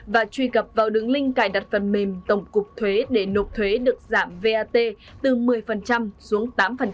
và truy cập vào đường link cài đặt phần mềm tổng cục thuế để nộp thuế được giảm vat từ một mươi xuống tám